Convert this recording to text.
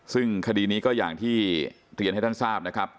ซึ่งคดีนี้ก็อย่างที่เรียนให้ท่านทราบนะครับ